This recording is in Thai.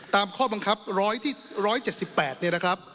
ตามข้อบังคับ๑๗๘เนี่ยนะครับ